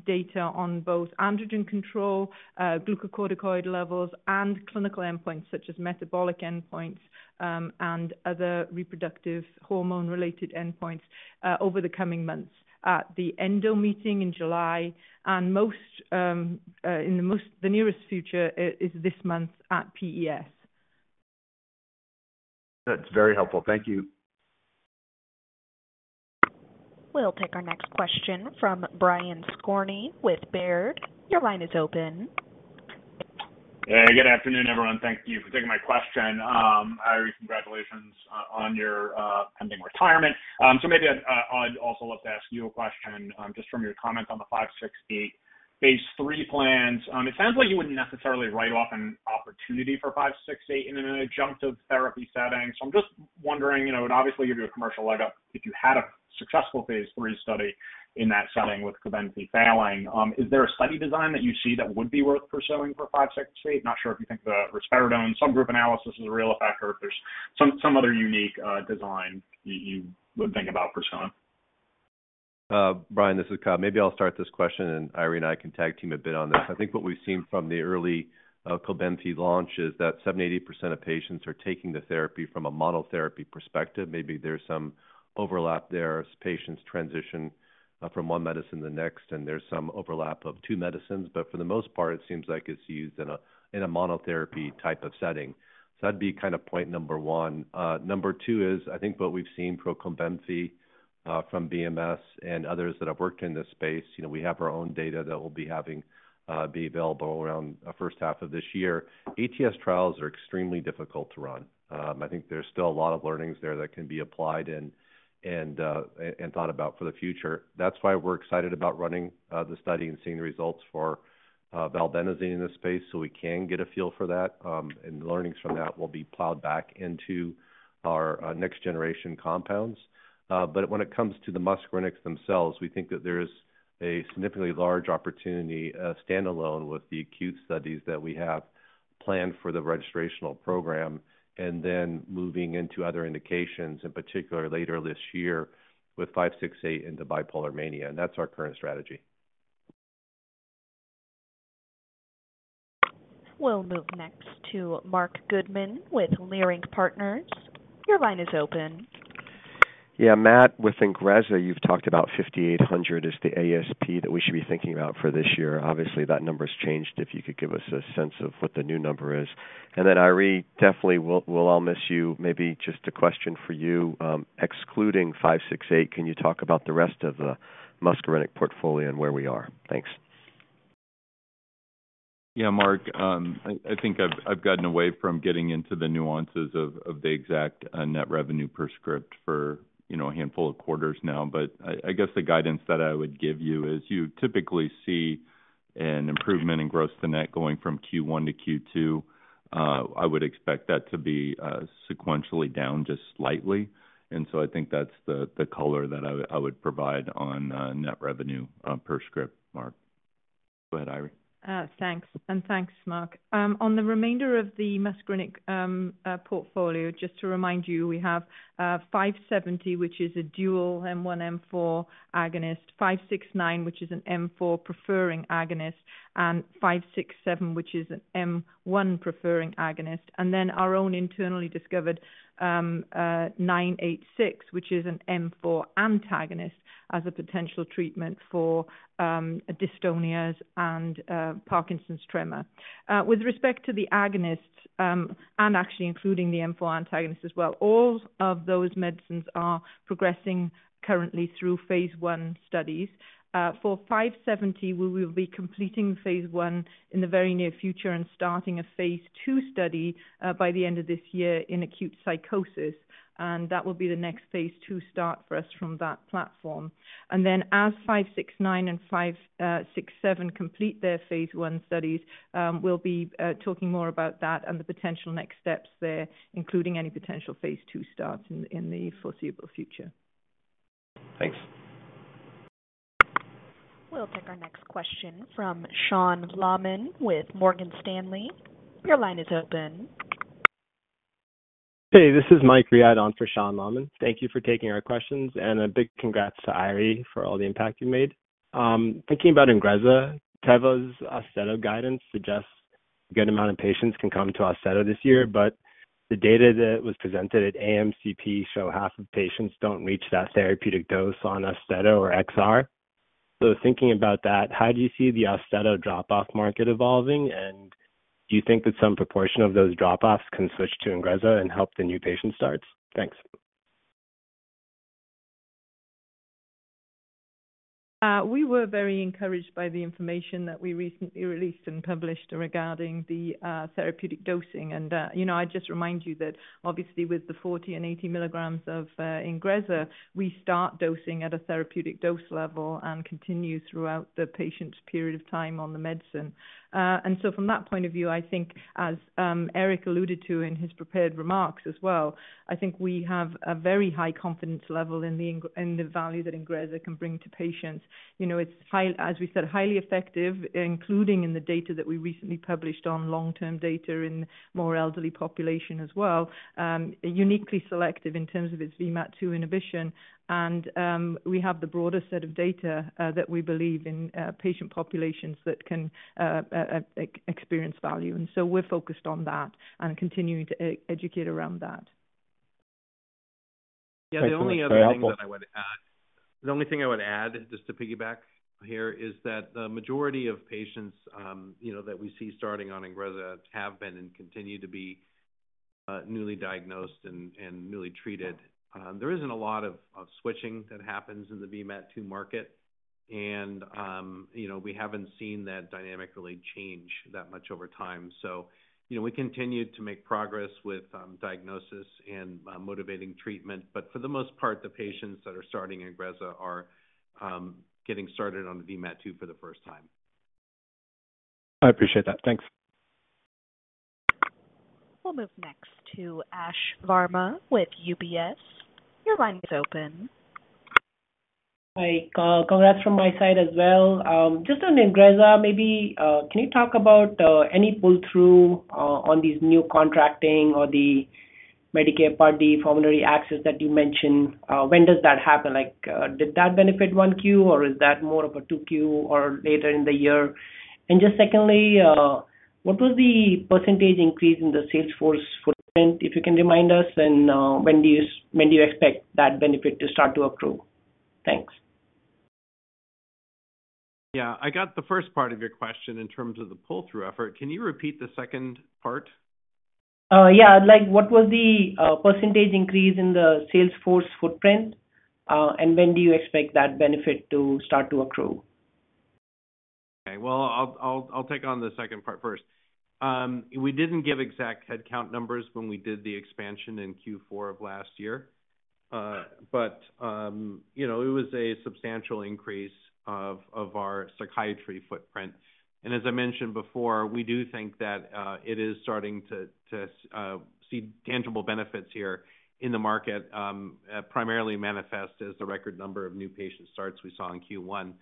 data on both androgen control, glucocorticoid levels, and clinical endpoints such as metabolic endpoints and other reproductive hormone-related endpoints over the coming months at the endo meeting in July. In the nearest future, it is this month at PES. That's very helpful. Thank you. We'll take our next question from Brian Skorney with Baird. Your line is open. Hey, good afternoon, everyone. Thank you for taking my question. Eiry, congratulations on your pending retirement. I would also love to ask you a question just from your comments on the 568 phase three plans. It sounds like you would not necessarily write off an opportunity for 568 in an adjunctive therapy setting. I am just wondering, it would obviously give you a commercial leg up if you had a successful phase three study in that setting with COBENFY failing. Is there a study design that you see that would be worth pursuing for 568? Not sure if you think the risperidone subgroup analysis is a real effect or if there is some other unique design you would think about pursuing. Brian, this is Kyle. Maybe I'll start this question, and Eiry and I can tag team a bit on this. I think what we've seen from the early COBENFY launch is that 70%-80% of patients are taking the therapy from a monotherapy perspective. Maybe there's some overlap there. Patients transition from one medicine to the next, and there's some overlap of two medicines. For the most part, it seems like it's used in a monotherapy type of setting. That'd be kind of point number one. Number two is, I think what we've seen for COBENFY from BMS and others that have worked in this space, we have our own data that we'll be having be available around the first half of this year. ATS trials are extremely difficult to run. I think there's still a lot of learnings there that can be applied and thought about for the future. That's why we're excited about running the study and seeing the results for valbenazine in this space so we can get a feel for that. The learnings from that will be plowed back into our next-generation compounds. When it comes to the muscarinics themselves, we think that there is a significantly large opportunity standalone with the acute studies that we have planned for the registrational program and then moving into other indications, in particular later this year with 568 into bipolar mania. That's our current strategy. We'll move next to Marc Goodman with Leerink Partners. Your line is open. Yeah. Matt, with INGREZZA, you've talked about $5,800 as the ASP that we should be thinking about for this year. Obviously, that number's changed. If you could give us a sense of what the new number is. Eiry, definitely, we'll all miss you. Maybe just a question for you. Excluding 568, can you talk about the rest of the muscarinic portfolio and where we are? Thanks. Yeah, Marc, I think I've gotten away from getting into the nuances of the exact net revenue per script for a handful of quarters now. I guess the guidance that I would give you is you typically see an improvement in gross to net going from Q1 to Q2. I would expect that to be sequentially down just slightly. I think that's the color that I would provide on net revenue per script, Marc. Go ahead, Eiry. Thanks. Thanks, Marc. On the remainder of the muscarinic portfolio, just to remind you, we have 570, which is a dual M1/M4 agonist; 569, which is an M4 preferring agonist; and 567, which is an M1 preferring agonist. Then our own internally discovered 986, which is an M4 antagonist as a potential treatment for dystonias and Parkinson's tremor. With respect to the agonists, and actually including the M4 antagonist as well, all of those medicines are progressing currently through phase one studies. For 570, we will be completing phase one in the very near future and starting a phase two study by the end of this year in acute psychosis. That will be the next phase two start for us from that platform. As 569 and 567 complete their phase one studies, we'll be talking more about that and the potential next steps there, including any potential phase two starts in the foreseeable future. Thanks. We'll take our next question from Sean Laaman with Morgan Stanley. Your line is open. Hey, this is Mike Riad on for Sean Laaman. Thank you for taking our questions. A big congrats to Eiry for all the impact you've made. Thinking about INGREZZA, Teva's AUSTEDO guidance suggests a good amount of patients can come to AUSTEDO this year. The data that was presented at AMCP show half of patients do not reach that therapeutic dose on AUSTEDO XR. Thinking about that, how do you see the AUSTEDO drop-off market evolving? Do you think that some proportion of those drop-offs can switch to INGREZZA and help the new patient starts? Thanks. We were very encouraged by the information that we recently released and published regarding the therapeutic dosing. I just remind you that, obviously, with the 40 and 80 milligrams of INGREZZA, we start dosing at a therapeutic dose level and continue throughout the patient's period of time on the medicine. From that point of view, I think, as Eric alluded to in his prepared remarks as well, we have a very high confidence level in the value that INGREZZA can bring to patients. It's, as we said, highly effective, including in the data that we recently published on long-term data in more elderly population as well, uniquely selective in terms of its VMAT2 inhibition. We have the broader set of data that we believe in patient populations that can experience value. We are focused on that and continuing to educate around that. Yeah. The only other thing that I would add, just to piggyback here, is that the majority of patients that we see starting on INGREZZA have been and continue to be newly diagnosed and newly treated. There is not a lot of switching that happens in the VMAT2 market. We have not seen that dynamic really change that much over time. We continue to make progress with diagnosis and motivating treatment. For the most part, the patients that are starting INGREZZA are getting started on VMAT2 for the first time. I appreciate that. Thanks. We'll move next to Ash Verma with UBS. Your line is open. Hi. Congrats from my side as well. Just on INGREZZA, maybe can you talk about any pull-through on these new contracting or the Medicare Part D formulary access that you mentioned? When does that happen? Did that benefit one Q, or is that more of a two Q or later in the year? Just secondly, what was the percentage increase in the sales force footprint, if you can remind us? When do you expect that benefit to start to accrue? Thanks. Yeah. I got the first part of your question in terms of the pull-through effort. Can you repeat the second part? Yeah. What was the percentage increase in the sales force footprint? When do you expect that benefit to start to accrue? Okay. I'll take on the second part first. We didn't give exact headcount numbers when we did the expansion in Q4 of last year. It was a substantial increase of our psychiatry footprint. As I mentioned before, we do think that it is starting to see tangible benefits here in the market, primarily manifest as the record number of new patient starts we saw in Q1.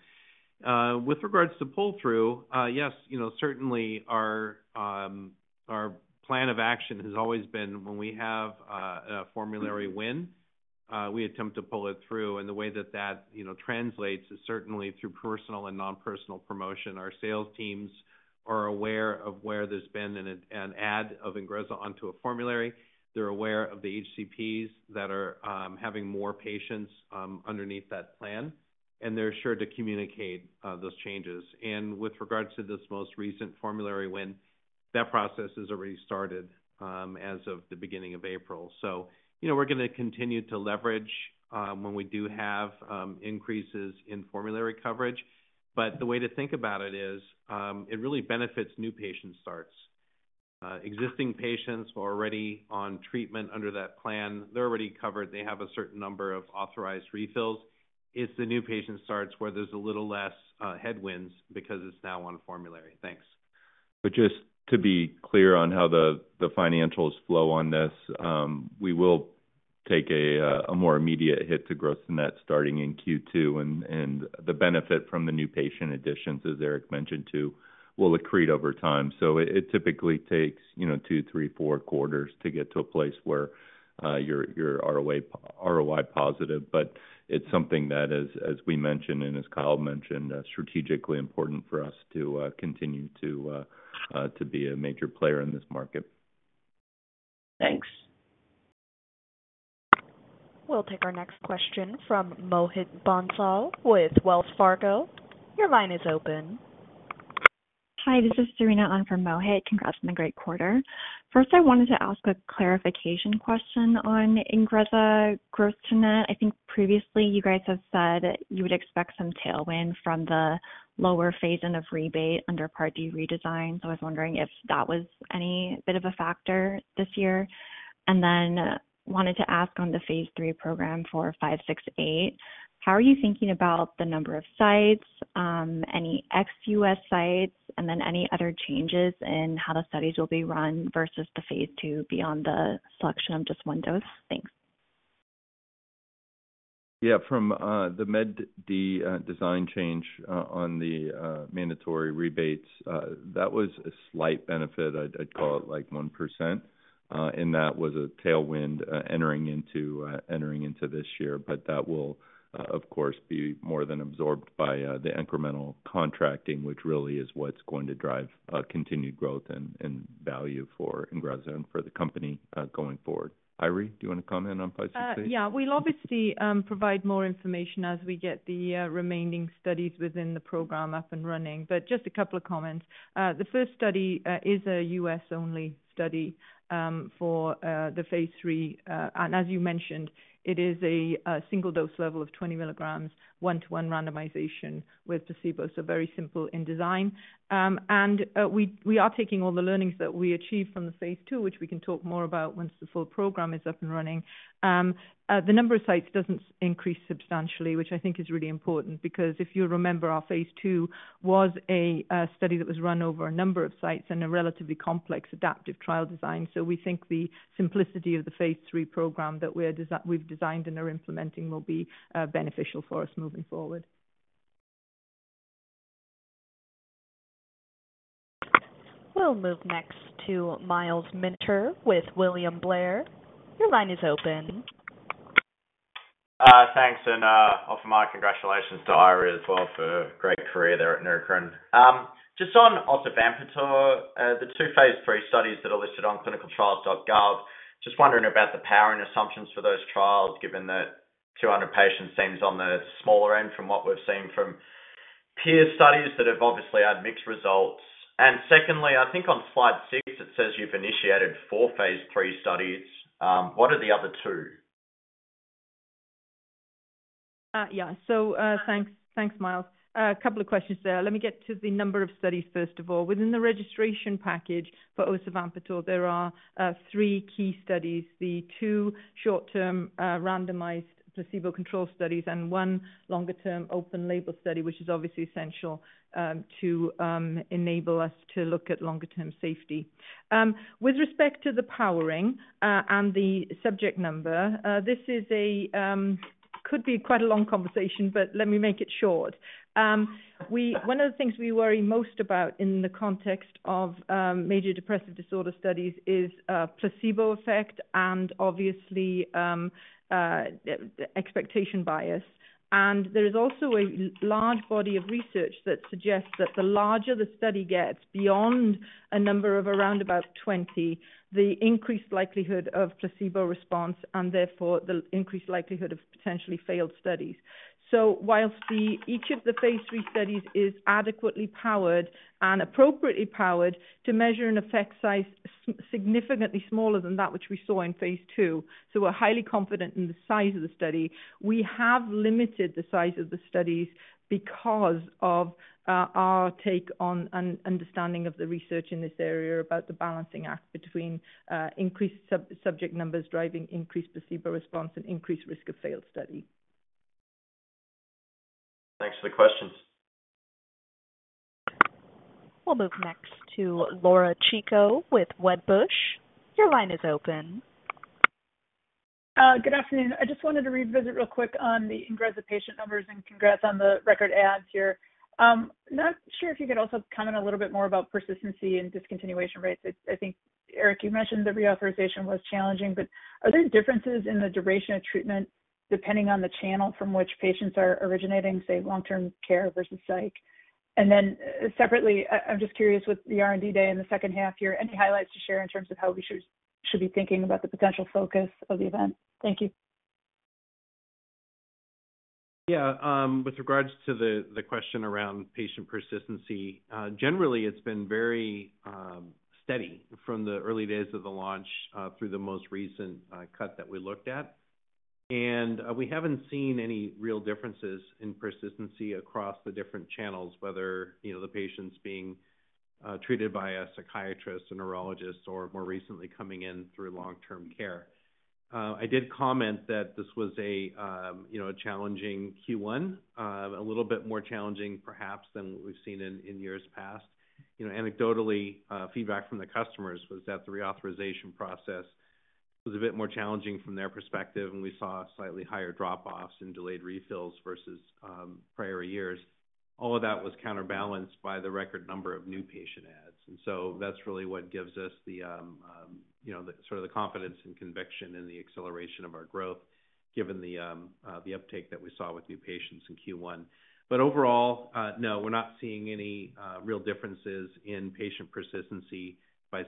With regards to pull-through, yes, certainly our plan of action has always been when we have a formulary win, we attempt to pull it through. The way that translates is certainly through personal and non-personal promotion. Our sales teams are aware of where there's been an add of INGREZZA onto a formulary. They're aware of the HCPs that are having more patients underneath that plan. They're sure to communicate those changes. With regards to this most recent formulary win, that process has already started as of the beginning of April. We're going to continue to leverage when we do have increases in formulary coverage. The way to think about it is it really benefits new patient starts. Existing patients who are already on treatment under that plan, they're already covered. They have a certain number of authorized refills. It's the new patient starts where there's a little less headwinds because it's now on a formulary. Thanks. Just to be clear on how the financials flow on this, we will take a more immediate hit to gross-to-net starting in Q2. The benefit from the new patient additions, as Eric mentioned too, will accrete over time. It typically takes two, three, four quarters to get to a place where you're ROI positive. It is something that, as we mentioned and as Kyle mentioned, is strategically important for us to continue to be a major player in this market. Thanks. We'll take our next question from Mohit Bansal with Wells Fargo. Your line is open. Hi. This is Serena on for Mohit. Congrats on the great quarter. First, I wanted to ask a clarification question on INGREZZA gross to net. I think previously you guys have said you would expect some tailwind from the lower phase end of rebate under Part D redesign. I was wondering if that was any bit of a factor this year. I wanted to ask on the phase three program for 568, how are you thinking about the number of sites, any ex-US sites, and any other changes in how the studies will be run versus the phase two beyond the selection of just one dose? Thanks. Yeah. From the Med D design change on the mandatory rebates, that was a slight benefit. I'd call it like 1%. That was a tailwind entering into this year. That will, of course, be more than absorbed by the incremental contracting, which really is what's going to drive continued growth and value for INGREZZA and for the company going forward. Eiry, do you want to comment on 568? Yeah. We'll obviously provide more information as we get the remaining studies within the program up and running. Just a couple of comments. The first study is a U.S.-only study for the phase three. As you mentioned, it is a single dose level of 20 milligrams, one-to-one randomization with placebo. Very simple in design. We are taking all the learnings that we achieved from the phase two, which we can talk more about once the full program is up and running. The number of sites does not increase substantially, which I think is really important because if you remember, our phase two was a study that was run over a number of sites and a relatively complex adaptive trial design. We think the simplicity of the phase three program that we've designed and are implementing will be beneficial for us moving forward. We'll move next to Myles Minter with William Blair. Your line is open. Thanks. Off of my congratulations to Eiry as well for a great career there at Neurocrine. Just on osavampator, the two phase three studies that are listed on clinicaltrials.gov, just wondering about the power and assumptions for those trials given that 200 patients seems on the smaller end from what we've seen from peer studies that have obviously had mixed results. Secondly, I think on slide six, it says you've initiated four phase three studies. What are the other two? Yeah. Thanks, Myles. A couple of questions there. Let me get to the number of studies, first of all. Within the registration package for osavampator, there are three key studies: the two short-term randomized placebo control studies and one longer-term open label study, which is obviously essential to enable us to look at longer-term safety. With respect to the powering and the subject number, this could be quite a long conversation, but let me make it short. One of the things we worry most about in the context of major depressive disorder studies is placebo effect and obviously expectation bias. There is also a large body of research that suggests that the larger the study gets beyond a number of around about 20, the increased likelihood of placebo response and therefore the increased likelihood of potentially failed studies. Whilst each of the phase three studies is adequately powered and appropriately powered to measure an effect size significantly smaller than that which we saw in phase two, we are highly confident in the size of the study. We have limited the size of the studies because of our take on an understanding of the research in this area about the balancing act between increased subject numbers driving increased placebo response and increased risk of failed study. Thanks for the questions. We'll move next to Laura Chico with Wedbush. Your line is open. Good afternoon. I just wanted to revisit real quick on the INGREZZA patient numbers and congrats on the record adds here. Not sure if you could also comment a little bit more about persistency and discontinuation rates. I think, Eric, you mentioned the reauthorization was challenging, but are there differences in the duration of treatment depending on the channel from which patients are originating, say, long-term care versus psych? Then separately, I'm just curious with the R&D day in the second half here, any highlights to share in terms of how we should be thinking about the potential focus of the event? Thank you. Yeah. With regards to the question around patient persistency, generally, it's been very steady from the early days of the launch through the most recent cut that we looked at. We haven't seen any real differences in persistency across the different channels, whether the patient's being treated by a psychiatrist, a neurologist, or more recently coming in through long-term care. I did comment that this was a challenging Q1, a little bit more challenging perhaps than we've seen in years past. Anecdotally, feedback from the customers was that the reauthorization process was a bit more challenging from their perspective, and we saw slightly higher drop-offs and delayed refills versus prior years. All of that was counterbalanced by the record number of new patient adds. That is really what gives us the sort of the confidence and conviction and the acceleration of our growth given the uptake that we saw with new patients in Q1. Overall, no, we are not seeing any real differences in patient persistency by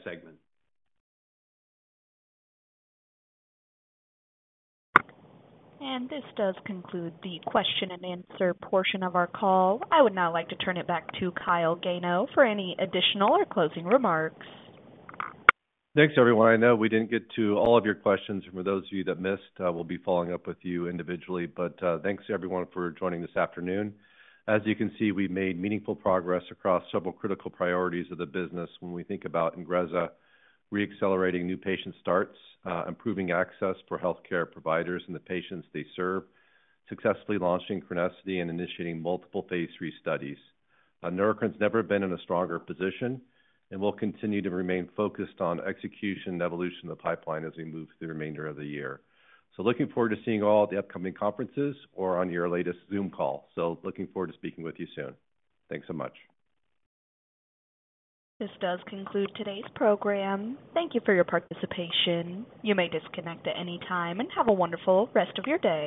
segment. This does conclude the question and answer portion of our call. I would now like to turn it back to Kyle Gano for any additional or closing remarks. Thanks, everyone. I know we didn't get to all of your questions. For those of you that missed, we'll be following up with you individually. Thanks to everyone for joining this afternoon. As you can see, we've made meaningful progress across several critical priorities of the business when we think about INGREZZA reaccelerating new patient starts, improving access for healthcare providers and the patients they serve, successfully launching CRENESSITY and initiating multiple phase three studies. Neurocrine has never been in a stronger position, and we'll continue to remain focused on execution and evolution of the pipeline as we move through the remainder of the year. Looking forward to seeing all at the upcoming conferences or on your latest Zoom call. Looking forward to speaking with you soon. Thanks so much. This does conclude today's program. Thank you for your participation. You may disconnect at any time and have a wonderful rest of your day.